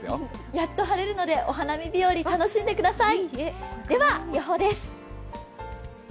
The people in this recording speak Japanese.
やっと晴れるのでお花見日和楽しんでください。